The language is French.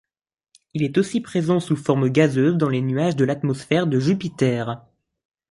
Il est aussi présent sous forme gazeuse dans les nuages de l'atmosphère de Jupiter.